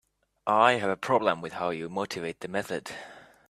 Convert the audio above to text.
I have a problem with how you motivate the method.